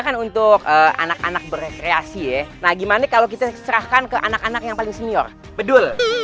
kan untuk anak anak berekreasi ya nah gimana kalau kita serahkan ke anak anak yang paling senior bedul